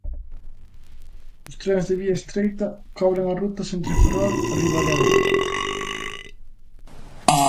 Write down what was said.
Os trens de vía estreita cobren as rutas entre Ferrol e Ribadeo.